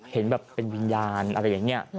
เห็นแบบเป็นวิญญาณอะไรอย่างนี้